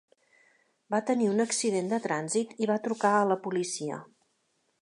Va tenir un accident de trànsit i van trucar a la policia.